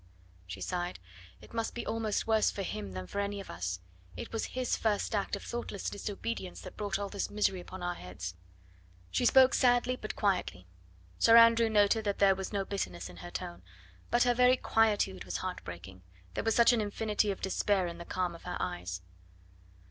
she sighed; "it must be almost worse for him than for any of us; it was his first act of thoughtless disobedience that brought all this misery upon our heads." She spoke sadly but quietly. Sir Andrew noted that there was no bitterness in her tone. But her very quietude was heart breaking; there was such an infinity of despair in the calm of her eyes.